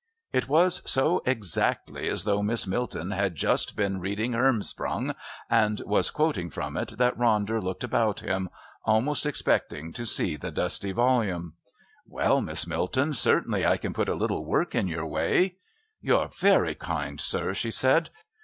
It was so exactly as though Miss Milton had just been reading Hermsprong and was quoting from it that Ronder looked about him, almost expecting to see the dusty volume. "Well, Miss Milton, perhaps I can put a little work in your way." "You're very kind, sir," she said.